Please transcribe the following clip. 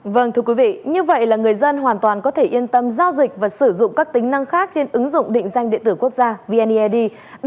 vâng thưa quý vị như vậy là người dân hoàn toàn có thể yên tâm giao dịch và sử dụng các tính năng khác trên ứng dụng định danh điện tử quốc gia vneid